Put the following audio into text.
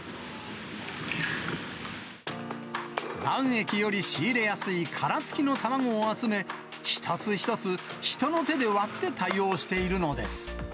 卵液より仕入れやすい殻付きの卵を集め、一つ一つ、人の手で割って対応しているのです。